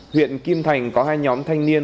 huyện kim thành có hai nhóm thanh niên